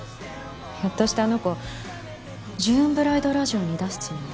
ひょっとしてあの子『ジューンブライドラジオ』に出すつもり？